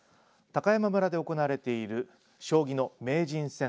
高山村で行われている将棋の名人戦